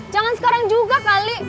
jangan sekarang juga kali